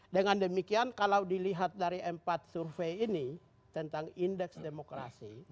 dengan demikian kalau dilihat dari empat survei ini tentang indeks demokrasi